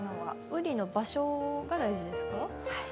ウリの場所が大事ですか？